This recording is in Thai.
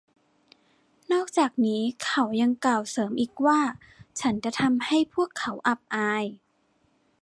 นอกจากนี้เขายังกล่าวเสริมอีกว่า“ ฉันจะทำให้พวกเขาอับอาย”